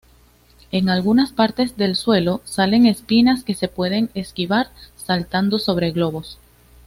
En algunas partes del suelo salen espinas que se pueden esquivar saltando sobre globos.